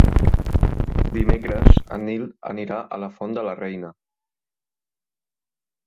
Dimecres en Nil anirà a la Font de la Reina.